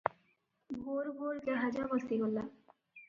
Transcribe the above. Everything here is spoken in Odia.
ଭୋର ଭୋର ଜାହାଜ ବସିଗଲା ।